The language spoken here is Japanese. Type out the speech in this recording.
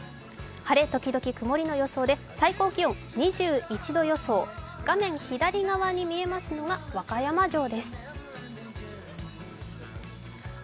晴れ時々曇りの予想で最高気温２１度予想、画面右側に見えますのが和歌山城です。